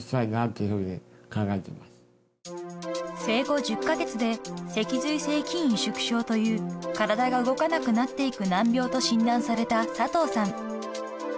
［生後１０カ月で脊髄性筋萎縮症という体が動かなくなっていく難病と診断された佐藤さん］